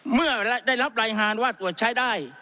เมื่อได้รับรายงานว่าตรวจใช้ได้